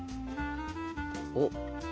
おっ！